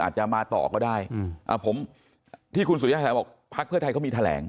อาจจะมาต่อก็ได้ผมที่คุณสุยชัยบอกพักเพื่อไทยเขามีแถลง